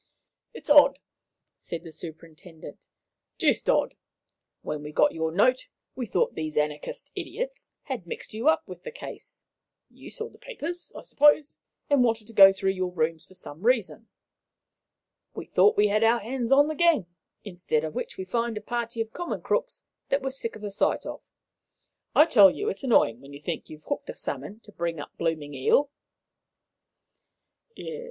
"It's odd," said the superintendent, "deuced odd. When we got your note, we thought these anarchist idiots had mixed you up with the case you saw the papers, I suppose and wanted to go through your rooms for some reason. We thought we had our hands on the gang, instead of which we find a party of common crooks that we're sick of the sight of. I tell you, sir, it's annoying when you think you've hooked a salmon, to bring up a blooming eel."